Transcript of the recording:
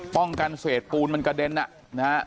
ป้องกันเสร็จปูนมันกระเด็นนะครับ